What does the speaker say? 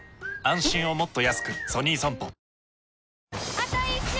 あと１周！